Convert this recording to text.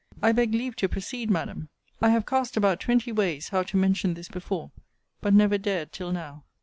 I beg leave to proceed, Madam: I have cast about twenty ways how to mention this before, but never dared till now.